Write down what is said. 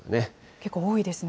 結構多いですね。